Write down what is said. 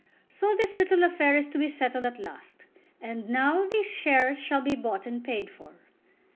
So this little affair is to be settled at last, and now these shares shall be bought and paid for."